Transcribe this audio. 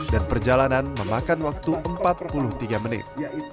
dan perjalanan memakan waktu empat puluh tiga menit